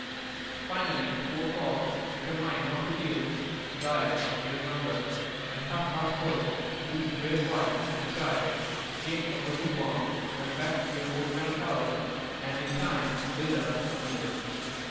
Finally, poor Kosq', determined not to yield, died of sheer hunger, and Hā bāh so, with his brave wife and child, came from the wigwam, went back to their old grandfather, and in time built up a village.